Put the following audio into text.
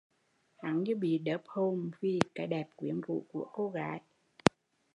Hắn như bị đớp hồn vì cái đẹp quyến rũ của cô gái